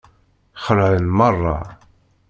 Xelεen merra.